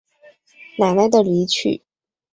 奶奶的离去